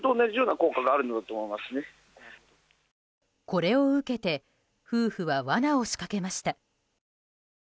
これを受けて夫婦はわなを仕掛けました。